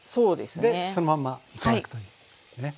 でそのまま頂くというね。